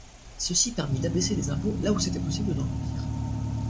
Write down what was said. Ceci permit d’abaisser les impôts là où c’était possible dans l’empire.